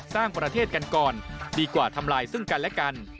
สร้างประเทศกันก่อนดีกว่าทำลายซึ่งกันและกัน